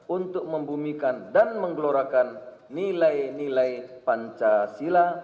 untuk membumikan dan menggelorakan nilai nilai pancasila